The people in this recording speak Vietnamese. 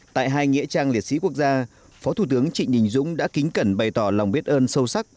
tại hai nghĩa trang liệt sĩ quốc gia phó thủ tướng trịnh đình dũng đã kính cẩn bày tỏ lòng biết ơn sâu sắc